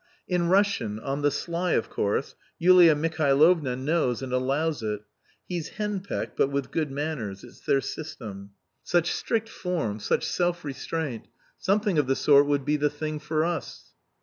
"In Russian, on the sly, of course, Yulia Mihailovna knows and allows it. He's henpecked, but with good manners; it's their system. Such strict form such self restraint! Something of the sort would be the thing for us."